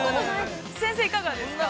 ◆先生いかがですか。